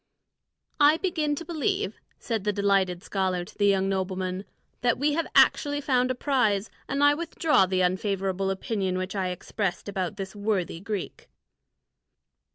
"I begin to believe," said the delighted scholar to the young nobleman, "that we have actually found a prize, and I withdraw the unfavourable opinion which I expressed about this worthy Greek."